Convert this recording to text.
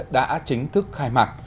đã chính thức khai mạc